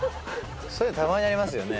そういうのたまにありますよね。